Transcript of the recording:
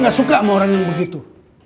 gak suka sama orang yang begitu